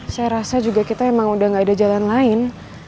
saya rasa juga kita emang udah gak ada jalan lain